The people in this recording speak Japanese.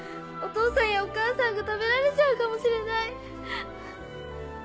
お父さんやお母さんが食べられちゃうかもしれない。